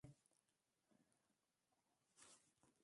Atau, deth punt d’enguarda legau, non te pòs resvenjar peth tòn compde.